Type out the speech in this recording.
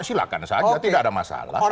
silahkan saja tidak ada masalah